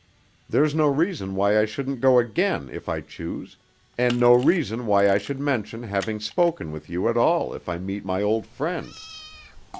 There's no reason why I shouldn't go again if I choose, and no reason why I should mention having spoken with you at all if I meet my old friend.